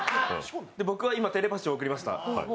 僕は今、テレパシーを送りました。